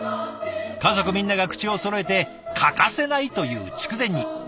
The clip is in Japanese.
家族みんなが口をそろえて欠かせないと言う筑前煮。